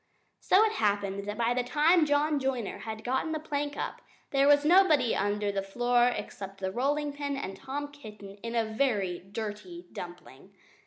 So it happened that by the time John Joiner had got the plank up there was nobody here under the floor except the rolling pin and Tom Kitten in a very dirty dumpling!